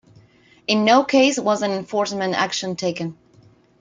In no case was an enforcement action taken.